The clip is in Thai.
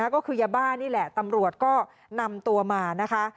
ก็คือยาบ้านี่แหละตำรวจก็นำตัวมานะคะ